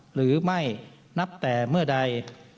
หรือไม่นับแต่เมื่อใด